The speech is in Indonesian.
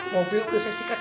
mobil udah saya sikat